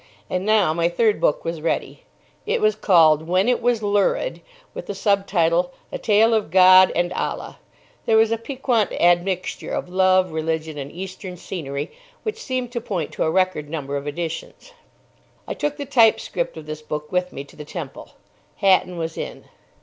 And now my third book was ready. It was called, When It Was Lurid, with the sub title, A Tale of God and Allah. There was a piquant admixture of love, religion, and Eastern scenery which seemed to point to a record number of editions. I took the type script of this book with me to the Temple. Hatton was in.